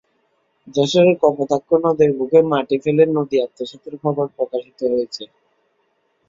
যশোরের কপোতাক্ষ নদের বুকে মাটি ফেলে নদী আত্মসাতের খবর প্রকাশিত হয়েছে।